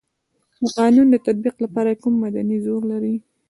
د قانون د تطبیق لپاره کوم مدني زور لري.